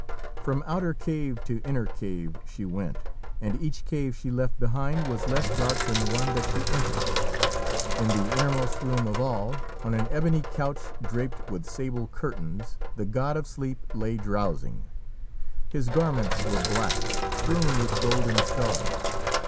From outer cave to inner cave she went, and each cave she left behind was less dark than the one that she entered. In the innermost room of all, on an ebony couch draped with sable curtains, the god of sleep lay drowsing. His garments were black, strewn with golden stars.